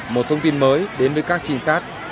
một thông tin mới đến với các trinh sát